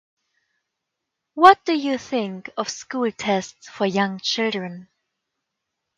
What do you think of school tests for young children?